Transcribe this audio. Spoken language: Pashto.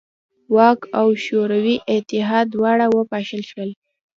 واک او شوروي اتحاد دواړه وپاشل شول.